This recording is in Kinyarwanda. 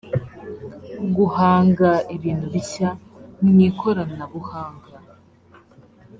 guhanga ibintu bishya mu ikoranabuhanga